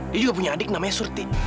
dia juga punya adik namanya surti